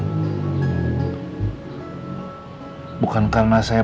mbak pak kemana